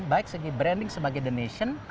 baik segi branding sebagai the nation